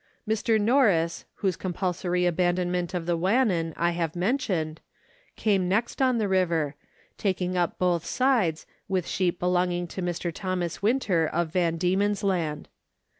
Mr. Norris, whose compulsory abandonment of the Wannon I have mentioned, came next on the river, taking up both sides, with sheep belonging to Mr. Thomas Winter, of Van Diemen's Land.